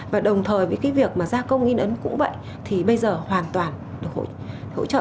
và đồng thời với cái việc mà gia công nghiên ấn cũng vậy thì bây giờ hoàn toàn được hỗ trợ